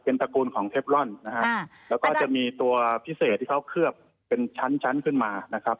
ตระกูลของเทปลอนนะฮะแล้วก็จะมีตัวพิเศษที่เขาเคลือบเป็นชั้นชั้นขึ้นมานะครับ